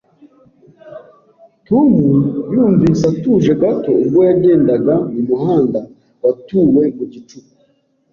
Tom yumvise atuje gato ubwo yagendaga mu muhanda watuwe mu gicuku